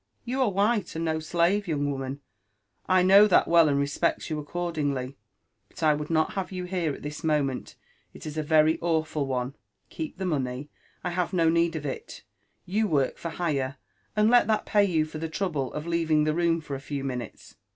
" You are white, and no slave, young iroman, 1 know that welt, and respect you accordingly ; but I would not have you here at this moment, — it is a very awful one. Keep the money,*— I have to neod of it ; you work for hire, and let that pay you for the trouble of leavinjj the room for a few mi&utes.